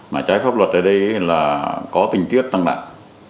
mà trái pháp luật ở đây là có tình tiết tăng nặng